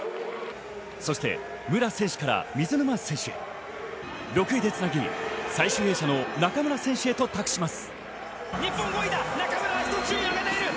そして、武良選手から水沼選手へ６位でつなぎ、最終泳者の中村選手へとつなぎます。